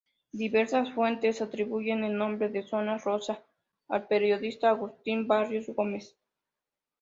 Diversas fuentes atribuyen el nombre de Zona Rosa al periodista Agustín Barrios Gómez.